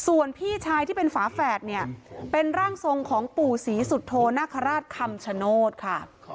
ส่วนพี่ชายที่เป็นฝาแฝดเนี่ยเป็นร่างทรงของปู่ศรีสุโธนาคาราชคำชโนธค่ะ